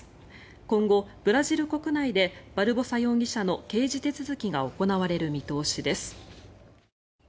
今後、ブラジル国内でバルボサ容疑者の刑事手続きが行われる見通しです。